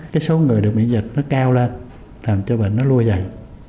cái số người được miễn dịch nó cao lên làm cho bệnh nó lui dần